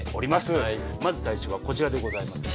まず最初はこちらでございます。